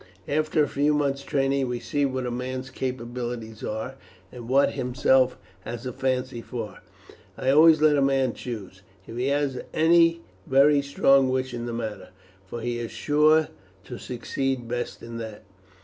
After a few months' training we see what a man's capabilities are, and what he himself has a fancy for. I always let a man choose, if he has any very strong wish in the matter, for he is sure to succeed best in that.